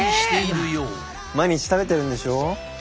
毎日食べてるんでしょ。